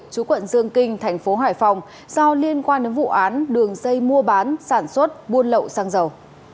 chú quận dương kinh thành phố hải phòng do liên quan đến vụ án đường dây mua bán sản xuất buôn lậu xăng dầu